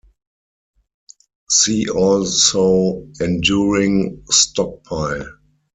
See also Enduring Stockpile.